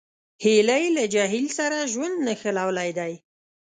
هیلۍ له جهیل سره ژوند نښلولی دی